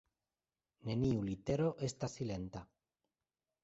Neniu litero estas silenta.